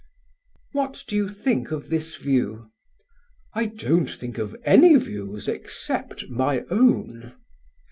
"What do you think of this view?" "I don't think of any views except my own."